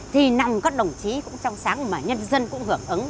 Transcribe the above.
thì nằm các đồng chí cũng trong sáng mà nhân dân cũng hưởng ứng